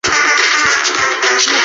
公办重点高中大学国际学校